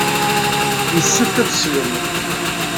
Yessefk ad teslem.